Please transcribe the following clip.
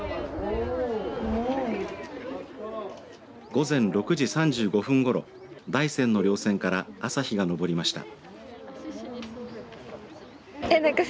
午前６時３５分ごろ大山のりょう線から朝日が昇りました。